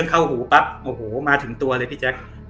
โอ้โหมาถึงตัวเลยพี่แจ็ค